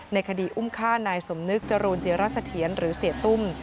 ในคดีอุ้มฆ่านายสมนึกจรูนจิรเสถียรหรือเสียตุ้ม